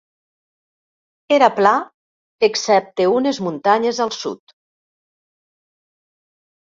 Era pla excepte unes muntanyes al sud.